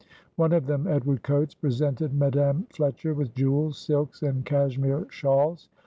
One of them, Edward Coates, presented Madam Fletcher with jewels, silks, and cashmere shawls.